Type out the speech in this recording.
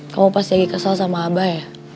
kamu pas lagi kesel sama abah ya